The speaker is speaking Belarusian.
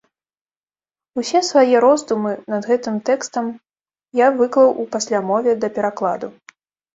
Усе свае роздумы над гэтым тэкстам я выклаў у паслямове да перакладу.